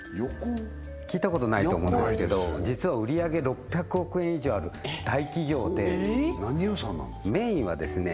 聞いたことないと思うんですけど実は売上げ６００億円以上ある大企業で何屋さんなんですか？